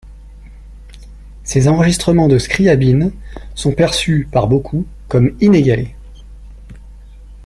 Ses enregistrements de Scriabine sont perçus par beaucoup comme inégalés.